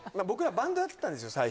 僕らバンドやってたんですよ